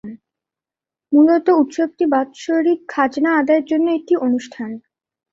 মূলত উৎসবটি বাৎসরিক খাজনা আদায়ের জন্য একটি অনুষ্ঠান।